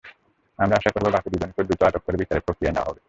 আমরা আশা করব, বাকি দুজনকেও দ্রুত আটক করে বিচারের প্রক্রিয়ায় নেওয়া হবে।